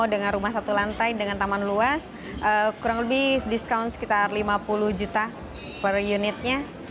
dengan rumah satu lantai dengan taman luas kurang lebih discount sekitar lima puluh juta per unitnya